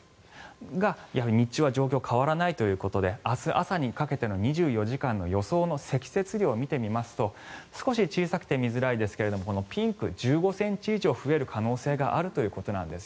が、日中は状況が変わらないということで明日朝にかけての２４時間の予想の積雪量を見てみますと少し小さくて見づらいですがピンク、１５ｃｍ以上増える可能性があるということです。